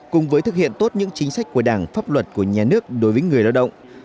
cùng với thực hiện tốt những chính sách của đảng pháp luật của nhà nước đối với người lao động